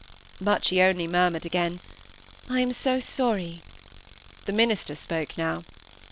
but she only murmured again, "I am so sorry." The minister spoke now.